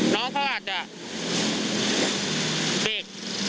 น้องเขาอาจจะเด็ก